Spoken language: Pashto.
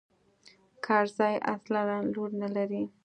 کرزى اصلاً لور نه لري.